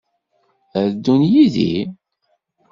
Ad d-ddunt yid-i?